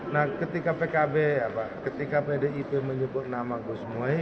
nah ketika pkb ketika pdip menyebut nama gus mohi